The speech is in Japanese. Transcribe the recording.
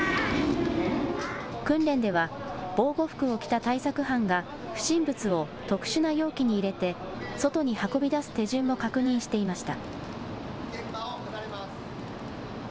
訓練では防護服を着た対策班が不審物を特殊な容器に入れて外に運び出す手順も確認していました。